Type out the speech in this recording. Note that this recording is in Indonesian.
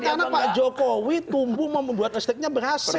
memang karena pak jokowi tumbuh membuat listriknya berhasil